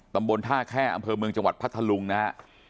ตำบลท่าแค่อำเภอเมืองจังหวัดพัทธลุงนะฮะ